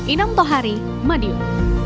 inam tohari madiun